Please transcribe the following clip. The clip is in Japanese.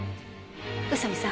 宇佐見さん